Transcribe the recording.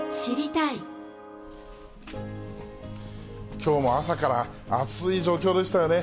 きょうも朝から暑い状況でしたよね。